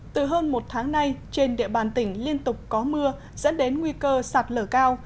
từ hơn một tháng nay trên địa bàn tỉnh liên tục có mưa dẫn đến nguy cơ sạt lở cao